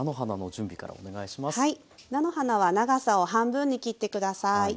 菜の花は長さを半分に切って下さい。